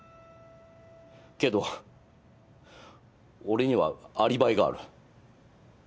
けど俺にはアリバイがある。